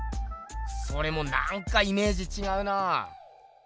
それもなんかイメージ違うなぁ。